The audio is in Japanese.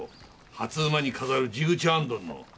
初午に飾る地口行灯の。